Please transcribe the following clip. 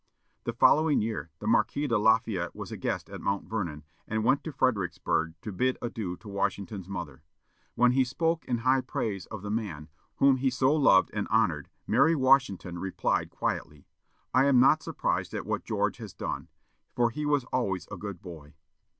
The following year the Marquis de Lafayette was a guest at Mount Vernon, and went to Fredericksburg to bid adieu to Washington's mother. When he spoke in high praise of the man whom he so loved and honored, Mary Washington replied quietly, "I am not surprised at what George has done, for he was always a good boy."